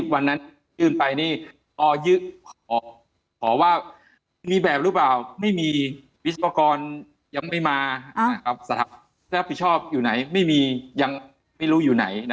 หรือเปล่าจะได้ยังไม่มีวิศวกรยังไม่มาอยู่สถาปท์สถาปบิชบอยู่ไหนจริงมั้ย